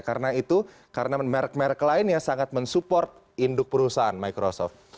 karena itu karena merk merk lainnya sangat mensupport induk perusahaan microsoft